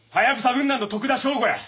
分団の徳田省吾や。